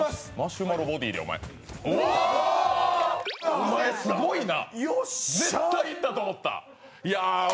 お前、すごいな。